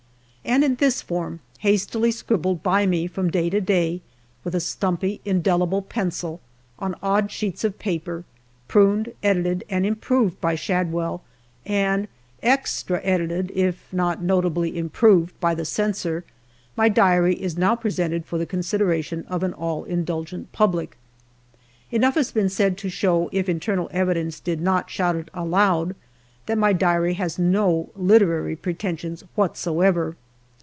And in this form hastily scribbled by me from day to day, with a stumpy indelible pencil on odd sheets of paper, pruned, edited and im proved by Shadwell, and extra edited, if not notably improved, by the Censor my diary is now presented for the consideration of an all indulgent public. Enough has been said to show, if internal evidence did not shout it aloud, that my diary has no literary preten sions whatsoever.